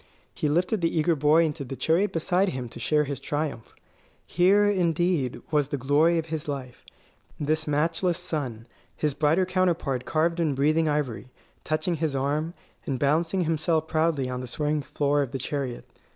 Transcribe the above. He lifted the eager boy into the chariot beside him to share his triumph. Here, indeed, was the glory of his life this matchless son, his brighter counterpart carved in breathing ivory, touching his arm, and balancing himself proudly on the swaying floor of the chariot.